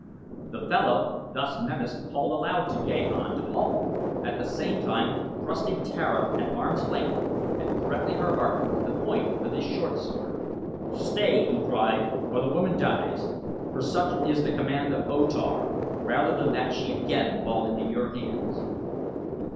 The fellow, thus menaced, called aloud to Gahan to halt, at the same time thrusting Tara at arm's length and threatening her heart with the point of his short sword. "Stay!" he cried, "or the woman dies, for such is the command of O Tar, rather than that she again fall into your hands."